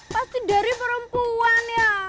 pasti dari perempuan ya